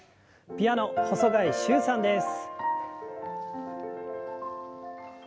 ピアノ細貝柊さんです。